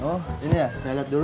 oh ini ya saya lihat dulu